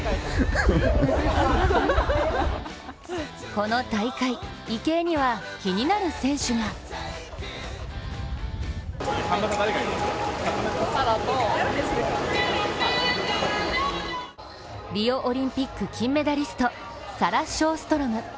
この大会、池江には気になる選手がリオオリンピック金メダリストサラ・ショーストロム。